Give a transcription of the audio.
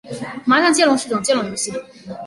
麻将接龙是一种接龙游戏。